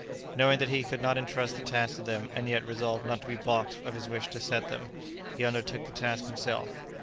Knowing that he could not entrust the task to them, and yet resolved not to be baulked of his wish to set them, he undertook the task himself.